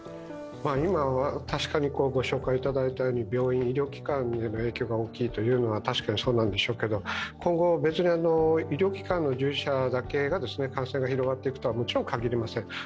今は病院、医療機関への影響が大きいというのは確かにそうなんでしょうけど今後、別に医療機関の従事者だけが感染が広がっていくとはもちろん限りません。